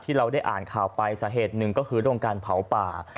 เราได้อ่านข่าวไปสาเหตุหนึ่งก็คือเรื่องการเผาป่า